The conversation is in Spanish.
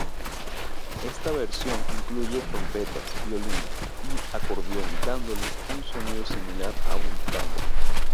Esta versión incluye trompetas, violines y acordeón dándole un sonido similar a un tango.